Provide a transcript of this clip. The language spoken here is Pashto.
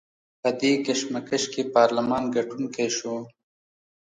په دې کشمکش کې پارلمان ګټونکی شو.